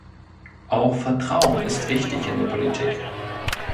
Auch Vertrauen ist wichtig in der Politik.